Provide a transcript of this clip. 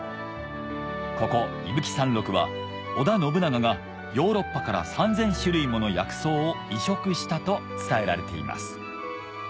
ここ伊吹山麓は織田信長がヨーロッパから３０００種類もの薬草を移植したと伝えられています